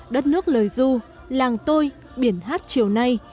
đất nước lời du làng tôi biển hát chiều nay